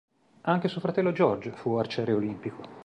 Anche suo fratello George fu arciere olimpico.